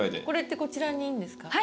これってこちらにいいんですか？